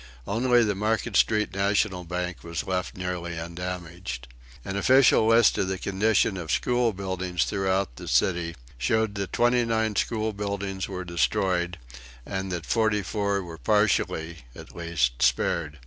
Only the Market Street National Bank was left nearly undamaged. An official list of the condition of the school buildings throughout the city showed that twenty nine school buildings were destroyed and that forty four were partially, at least, spared.